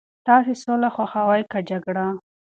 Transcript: تاسي سوله خوښوئ که جګړه؟